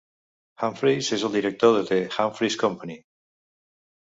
Humphreys és el director de The Humphreys Company.